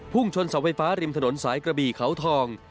ชนเสาไฟฟ้าริมถนนสายกระบี่เขาทอง